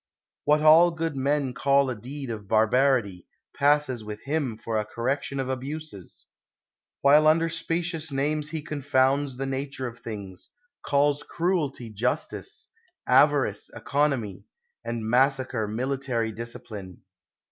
What all good men call a deed of barbarity, passes with him for a correction of abuses ; while under specious names he confounds the nature of things, calls cruelty justice, avarice economy, and massacre military discipline.